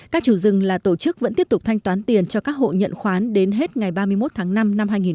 các chủ rừng là tổ chức vẫn tiếp tục thanh toán tiền cho các hộ nhận khoán đến hết ngày ba mươi một tháng năm năm hai nghìn hai mươi